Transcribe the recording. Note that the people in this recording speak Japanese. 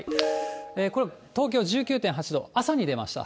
これ、東京１９．８度、朝に出ました。